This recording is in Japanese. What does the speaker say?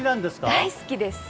大好きです。